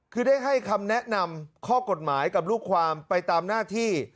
คือได้ให้คำแนะนำข้อกฎหมายกับลูกความไปตามหน้าที่